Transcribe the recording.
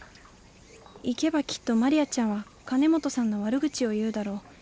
行けばきっとマリアちゃんは金本さんの悪口を言うだろう。